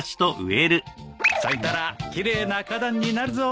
咲いたら奇麗な花壇になるぞ。